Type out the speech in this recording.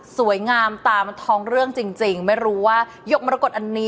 สวยงามตามันทองเรื่องจริงไม่รู้ว่ายกมรกฏอันนี้